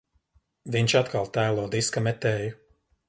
Viņš atkal tēlo diska metēju.